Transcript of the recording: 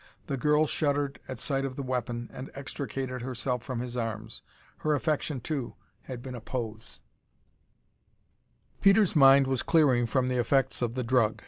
The girl shuddered at sight of the weapon and extricated herself from his arms. Her affection too had been a pose. Peter's mind was clearing from the effects of the drug.